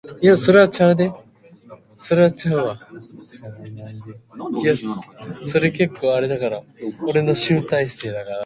新宿で寝る人